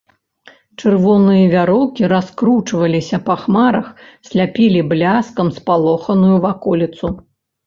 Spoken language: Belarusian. Чырвоныя вяроўкі раскручваліся па хмарах, сляпілі бляскам спалоханую ваколіцу.